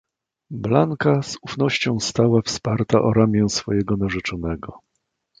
"Blanka z ufnością stała wsparta o ramię swojego narzeczonego."